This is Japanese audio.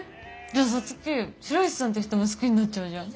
じゃあ皐月白石さんって人も好きになっちゃうじゃん。